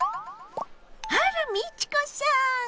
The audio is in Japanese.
あら美智子さん！